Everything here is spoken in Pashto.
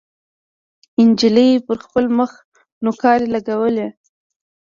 نجلۍ پر خپل مخ نوکارې لګولې.